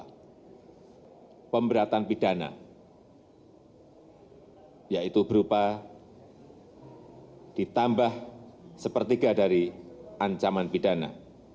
ada pemberatan pidana yaitu berupa ditambah sepertiga dari ancaman pidana